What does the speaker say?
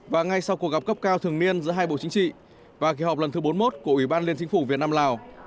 và ngay sau cuộc gặp cấp cao thường niên giữa hai bộ chính trị và kỳ họp lần thứ bốn mươi một của ủy ban liên chính phủ việt nam lào